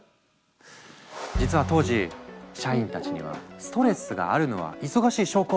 実は当時社員たちには「ストレスがあるのは忙しい証拠！